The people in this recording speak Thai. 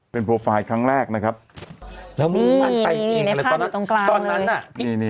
เป็นครั้งแรกนะครับแล้วมุ่งมั่นไปอีกเลยตอนนั้นอ่ะนี่นี่นี่